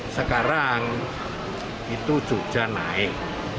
sekarang itu juga naik